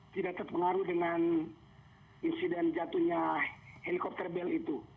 tidak terpengaruh dengan insiden jatuhnya helikopter bel itu